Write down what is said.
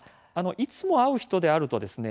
いつも会う人であるとですね